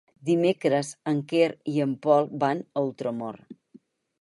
Dimecres en Quer i en Pol van a Ultramort.